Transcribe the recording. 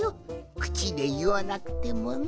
くちでいわなくてもな。